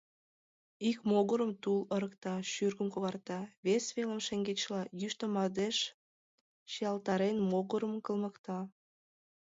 Ик могырым тул ырыкта, шӱргым когарта, вес велым, шеҥгечла, йӱштӧ мардеж, шиялтарен, могырым кылмыкта.